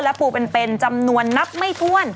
และปูเป็นจำนวนนับไม่ถ้วน